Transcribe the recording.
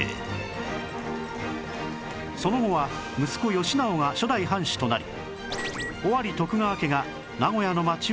その後は息子義直が初代藩主となり尾張徳川家が名古屋の町を治めていました